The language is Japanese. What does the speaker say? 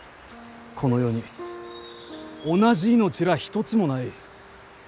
この世に同じ命らあ一つもない。